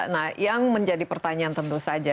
nah yang menjadi pertanyaan tentu saja